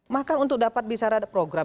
maka untuk dapat bicara program